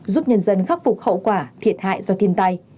giúp nhân dân khắc phục hậu quả thiệt hại do thiên tai